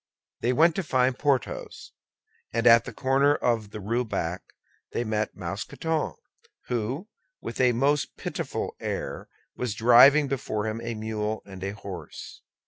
They went to find Porthos, and at the corner of the Rue Bac met Mousqueton, who, with a most pitiable air, was driving before him a mule and a horse.